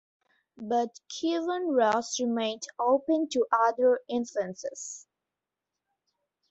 But Kyivan Rus remained open to other influences.